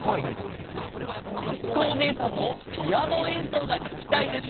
「あつこおねえさんのピアノえんそうがききたいです」